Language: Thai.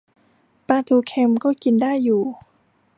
ปลาทูเค็มก็กินได้อยู่